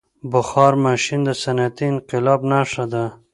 • بخار ماشین د صنعتي انقلاب نښه ده.